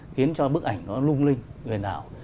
khiến cho bức ảnh nó lung linh người nào